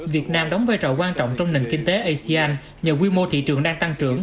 việt nam đóng vai trò quan trọng trong nền kinh tế asean nhờ quy mô thị trường đang tăng trưởng